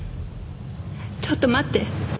ちょっと待って。